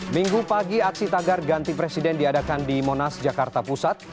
minggu pagi aksi tagar ganti presiden diadakan di monas jakarta pusat